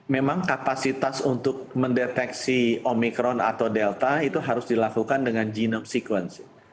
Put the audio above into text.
memang kapasitas untuk mendeteksi omikron atau delta itu harus dilakukan dengan genome sequencing